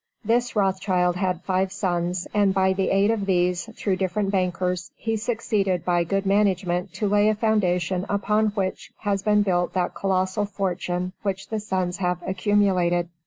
This Rothschild had five sons, and by the aid of these, through different bankers, he succeeded by good management to lay a foundation upon which has been built that colossal fortune which the sons have accumulated.